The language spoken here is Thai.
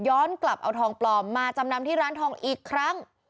กลับเอาทองปลอมมาจำนำที่ร้านทองอีกครั้ง